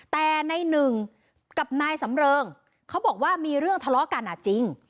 แต่ในหนึ่งกับนายสำเริงเขาบอกว่ามีเรื่องทะเลาะกันจริง